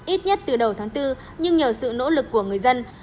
ít nhất từ đầu tháng bốn nhưng nhờ sự nỗ lực của người dân